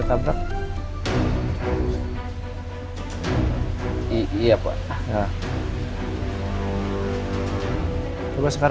ada seg thinking hormones erg simanter silahkan anda tungguwsanya aja